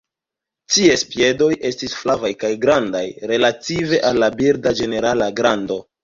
Ties piedoj estis flavaj kaj grandaj relative al la birda ĝenerala grando.